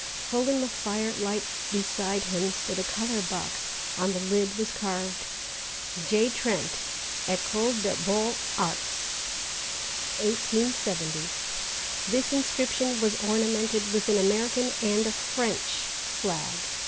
Full in the firelight beside him stood a colour box. On the lid was carved, J. TRENT. Ecole des Beaux Arts. 1870. This inscription was ornamented with an American and a French flag.